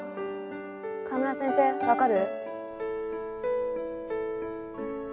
川村先生わかる？